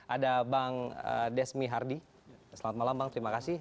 ada bang desmi hardi selamat malam bang terima kasih